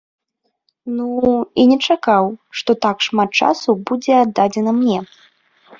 Ну, і не чакаў, што так шмат часу будзе аддадзена мне.